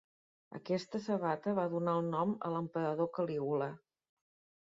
Aquesta sabata va donar el nom a l'emperador Calígula.